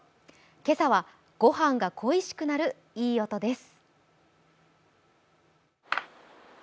今朝は、ごはんが恋しくなるいい音です。